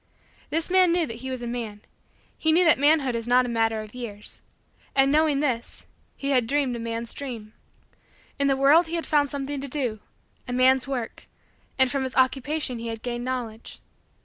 This man knew that he was a man. He knew that manhood is not a matter of years. And, knowing this, he had dreamed a man's dream. In the world he had found something to do a man's work and from his Occupation he had gained Knowledge.